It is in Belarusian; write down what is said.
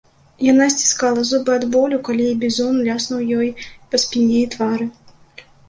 Яна сціскала зубы ад болю, калі бізун ляснуў ёй па спіне і твары.